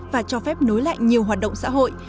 và cho phép nối lại nhiều hoạt động xã hội